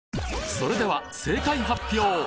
それでは正解発表！